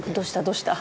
どうした？